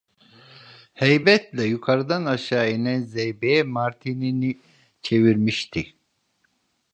Heybetle yukarıdan aşağı inen zeybeğe martinini çevirmişti.